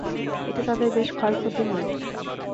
এতে তাঁদের বেশ ক্ষয়ক্ষতি হলো।